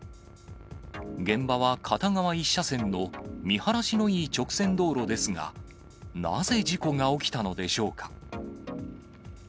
現場は片側１車線の見晴らしのいい直線道路ですが、なぜ事故が起きたのでしょうか。